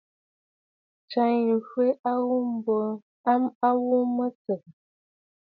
Àtsə̀ʼə̀ yî fwɛ̀ a wo mə tsɔ̀ʼɔ̀.